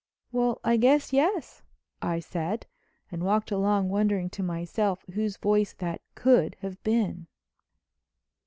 "Well, I guess yes," I said and walked along wondering to myself whose voice that could have been.